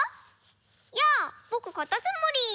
やあぼくかたつむり！